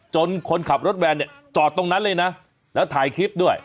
คนขับรถแวนเนี่ยจอดตรงนั้นเลยนะแล้วถ่ายคลิปด้วย